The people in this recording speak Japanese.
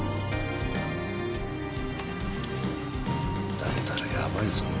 だったらやばいぞ。